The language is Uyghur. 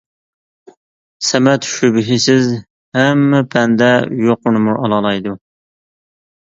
سەمەت، شۈبھىسىز، ھەممە پەندە يۇقىرى نومۇر ئالالايدۇ.